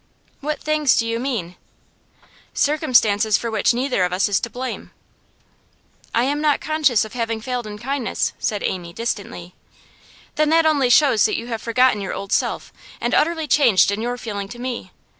'What "things" do you mean?' 'Circumstances for which neither of us is to blame.' 'I am not conscious of having failed in kindness,' said Amy, distantly. 'Then that only shows that you have forgotten your old self, and utterly changed in your feeling to me.